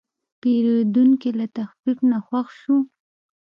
پیرودونکی له تخفیف نه خوښ شو.